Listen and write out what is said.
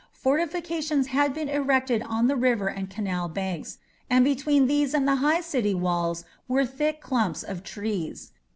Fortifications had been erected on the river and canal banks, and between these and the high city walls were thick clumps of trees.